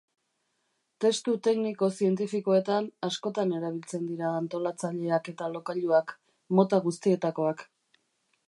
Testu tekniko-zientifikoetan askotan erabiltzen dira antolatzaileak eta lokailuak, mota guztietakoak.